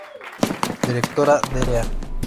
Directora: Dra.